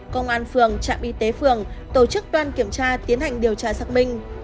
công an phường trạm y tế phường tổ chức đoàn kiểm tra tiến hành điều tra xác minh